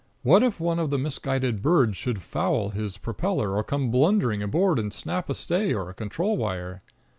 What if one of the misguided birds should foul his propeller or come blundering aboard and snap a stay or a control wire?